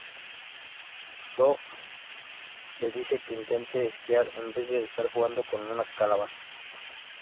Tho le dice que intente esquiar en vez de estar jugando con una calabaza.